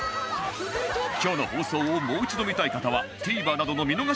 今日の放送をもう一度見たい方は ＴＶｅｒ などの見逃し配信で